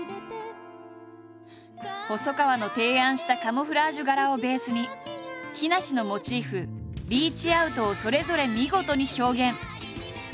細川の提案したカモフラージュ柄をベースに木梨のモチーフＲＥＡＣＨＯＵＴをそれぞれ見事に表現。